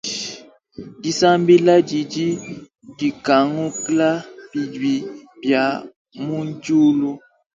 Disambila didi dikangula bibi bia mudiulu.